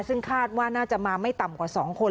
ซึ่งคาดว่าน่าจะมาไม่ต่ำกว่า๒คน